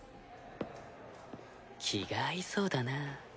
気が合いそうだな。